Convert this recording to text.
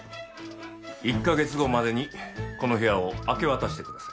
１カ月後までにこの部屋を明け渡してください。